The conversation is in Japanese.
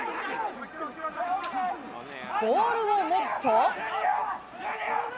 ボールを持つと。